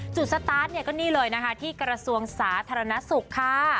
สตาร์ทเนี่ยก็นี่เลยนะคะที่กระทรวงสาธารณสุขค่ะ